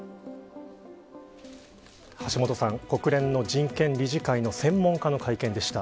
橋下さん、国連の人権理事会の専門家の会見でした。